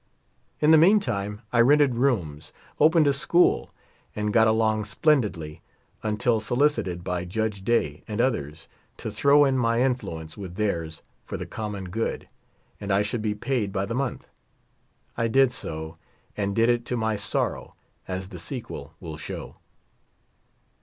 In the mean time I rented rooms, opened a school, and got 18 along splendidly, until solicited by Judge Day and others to throw in my influence with theirs for the common good, and I should be paid by the month. I did so, and did it to my sorrow, as the sequel will show.